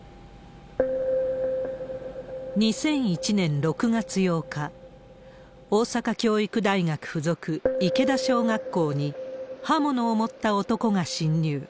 ２００１年６月８日、大阪教育大学附属池田小学校に、刃物を持った男が侵入。